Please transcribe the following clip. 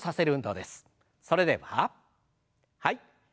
それでははい。